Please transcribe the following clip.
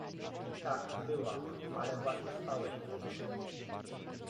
— Tak, była, ale właśnie spałeś wtedy.